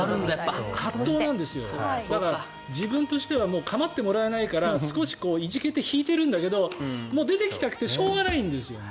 だから、自分としては構ってもらえないからいじけて引いてるんだけど出ていきたくてしょうがないんですよ。